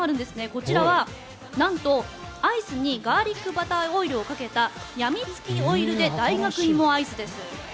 こちらはなんと、アイスにガーリックバターオイルをかけたやみつきオイルｄｅ大学芋アイスです。